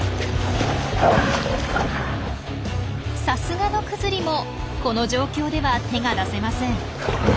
さすがのクズリもこの状況では手が出せません。